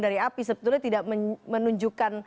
dari api sebetulnya tidak menunjukkan